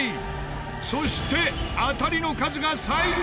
そして当たりの数が最強！